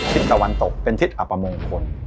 ทิศตะวันตกเป็นทิศอัปมงคล